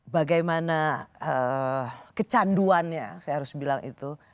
bagaimana kecanduannya saya harus bilang itu